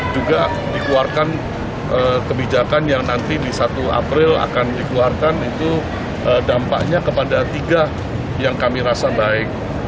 juga dikeluarkan kebijakan yang nanti di satu april akan dikeluarkan itu dampaknya kepada tiga yang kami rasa baik